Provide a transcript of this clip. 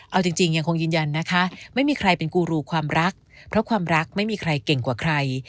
เอาจริงยังคงยืนยันนะคะไม่มีใครเป็นกูรูความรักเพราะความรักไม่มีใครเก่งกว่าใคร